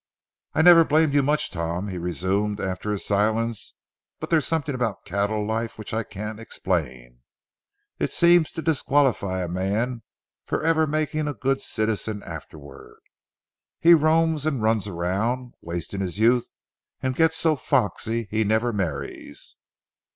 "I never blamed you much, Tom," he resumed after a silence; "but there's something about cattle life which I can't explain. It seems to disqualify a man for ever making a good citizen afterward. He roams and runs around, wasting his youth, and gets so foxy he never marries."